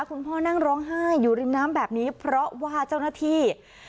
คุณพ่อนั่งร้องไห้อยู่ริมน้ำแบบนี้เพราะว่าเจ้าหน้าที่